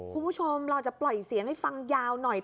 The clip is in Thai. คุณผู้ชมเราจะปล่อยเสียงให้ฟังยาวหน่อย